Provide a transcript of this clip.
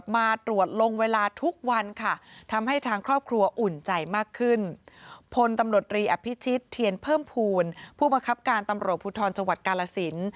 ผลตำหนดรีอภิชิตเทียนเพิ่มภูมิผู้บังคับการตำรวจภูทรจังหวัดกาลสิน